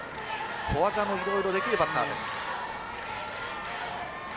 小技も色々できるバッターです。